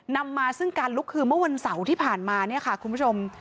นำมาซึ่งการลุกคือเมื่อวันเสาร์ที่ผ่านมาเนี่ยค่ะคุณผู้ชม